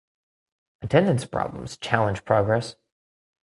Attendance problems challenge progress.